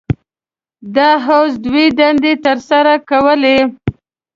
دا حوض دوه دندې تر سره کولې.